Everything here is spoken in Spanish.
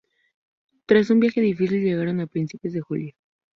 Tras un viaje difícil, llegaron a principios de julio.